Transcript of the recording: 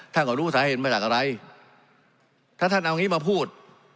ท่านก็รู้สาเหตุมาจากอะไรถ้าท่านเอางี้มาพูด